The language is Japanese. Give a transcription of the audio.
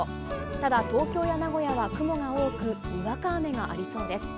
ただ、東京や名古屋は雲が多く、にわか雨がありそうです。